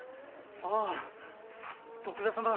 ああ徳田様